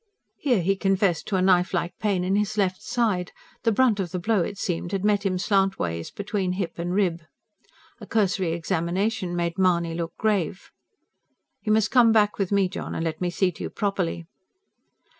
Here he confessed to a knife like pain in his left side; the brunt of the blow, it seemed, had met him slantways between rib and hip. A cursory examination made Mahony look grave. "You must come back with me, John, and let me see to you properly."